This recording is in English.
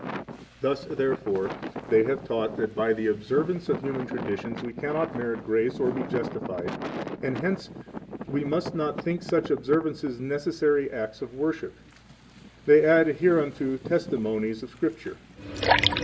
21 Thus, therefore, they have taught that by the observance of human traditions we cannot merit grace or be justified, and hence we must not think such observances necessary acts of worship. 22 They add hereunto testimonies of Scripture.